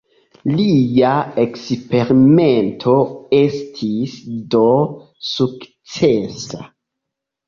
Lia eksperimento estis do sukcesa.